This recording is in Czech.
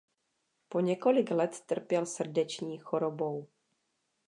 Po několik let trpěl srdeční chorobou.